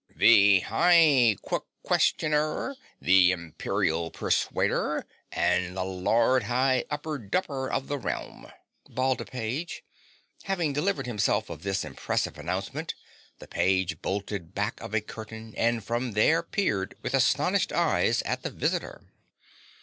"The High Qui questioner! The Imperial Persuader! And the Lord High Upper Dupper of the Realm!" bawled a page. Having delivered himself of this impressive announcement the page bolted back of a curtain and from there peered with astonished eyes at the visitor.